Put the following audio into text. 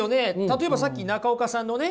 例えばさっき中岡さんのね